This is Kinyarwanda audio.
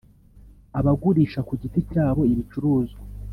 abagurisha ku giti cyabo ibicuruzwa